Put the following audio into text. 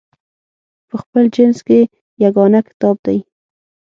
په خپل جنس کې یګانه کتاب دی.